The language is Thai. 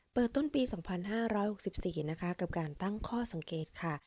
เปิดต้นปีสองพันห้าร้อยหกสิบสี่นะคะกับการตั้งข้อสังเกตค่ะ